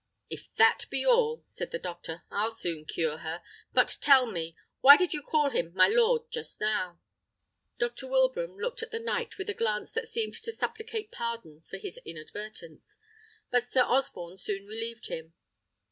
"If that be all," said the doctor, "I'll soon cure her. But tell me, why did you call him 'my lord,' just now?" Dr. Wilbraham looked at the knight with a glance that seemed to supplicate pardon for his inadvertence; but Sir Osborne soon relieved him.